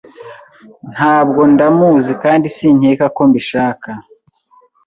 Ntabwo ndamuzi kandi sinkeka ko mbishaka.